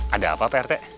ada apa pak rt